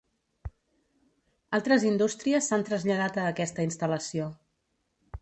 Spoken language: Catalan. Altres indústries s'han traslladat a aquesta instal·lació.